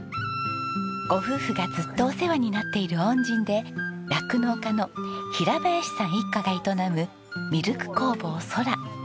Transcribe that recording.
ご夫婦がずっとお世話になっている恩人で酪農家の平林さん一家が営むミルク工房そら。